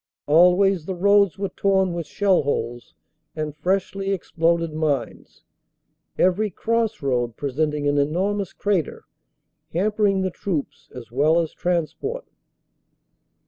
Always the roads were torn with shell holes 380 CAPTURE OF MONS 381 and freshly exploded mines, every cross road presenting an enormous crater, hampering the troops as well as transport.